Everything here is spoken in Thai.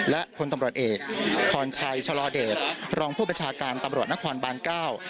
และพลตำรวจเอกพรชัยชะลอเดชรองผู้บัญชาการตำรวจนครบานเก้า